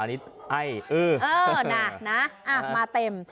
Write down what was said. อ้าวน่ะมาเต็ม